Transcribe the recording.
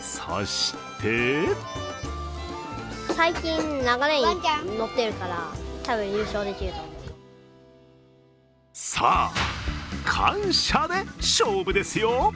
そしてさあ、感謝で勝負ですよ。